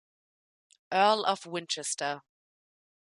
Earl of Winchester.